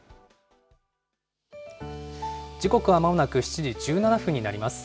時刻はまもなく７時１７分になります。